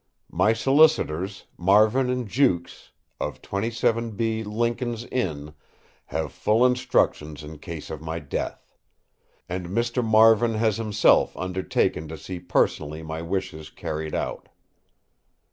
My solicitors, Marvin & Jewkes, of 27B Lincoln's Inn, have full instructions in case of my death; and Mr. Marvin has himself undertaken to see personally my wishes carried out.